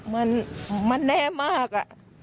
มันแน่มากอ่ะ